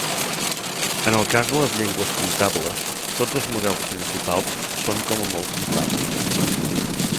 En el cas de les llengües comptables, tots els models principals són com a molt comptables.